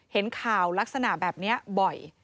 เห็นข่าวลักษณะแบบนี้บ่อย